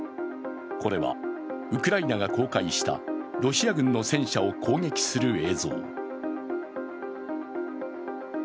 これはウクライナが公開したロシア軍の戦車を攻撃する映像。